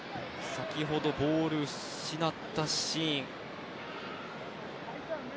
先ほどボールを失ったシーン。